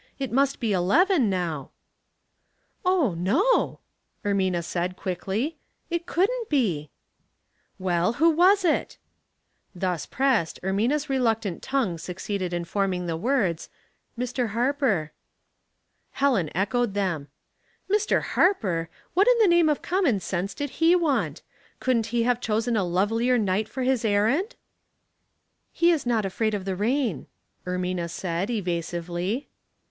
It must be eleven now.'' 856 'Household Puzzles, "Oh, no," Ermina said, quickly; "it couldn't be." *'.Well, who was it?" Thus pressed, Ermina's reluctant tongue suc ceeded in forming the words, " Mr. Harper." Helen echoed them. " Mr. Harper ! What in the name of common sense did he want? Couldn't he have chosen a lovelier night for his errand ?"" He is not afraid of the rain," Ermina said, evasively.